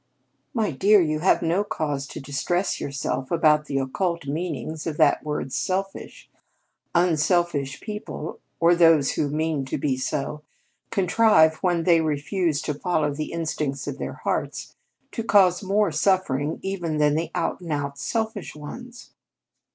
"My dear, you have no call to distress yourself about the occult meanings of that word 'selfish.' Unselfish people or those who mean to be so contrive, when they refuse to follow the instincts of their hearts, to cause more suffering even than the out and out selfish ones."